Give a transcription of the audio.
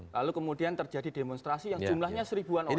lalu kemudian terjadi demonstrasi yang jumlahnya seribuan orang